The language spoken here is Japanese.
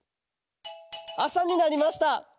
あさになりました。